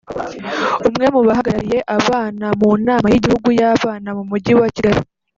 umwe mu bahagarariye abana mu nama y’igihugu y’abana mu Mujyi wa Kigali